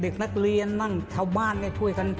ใช้เด็กนักเรียนนั่งเช้าบ้านให้ช่วยกัน